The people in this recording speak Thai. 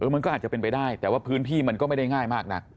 มันก็อาจจะเป็นไปได้แต่ว่าพื้นที่มันก็ไม่ได้ง่ายมากนัก